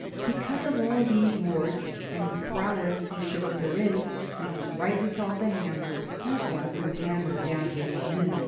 Because of all these wars and the prowess he showed therein he was rightly called the Hammer, as one who hammered down his enemies.